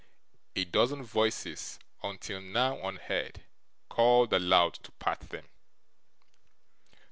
A dozen voices, until now unheard, called aloud to part them.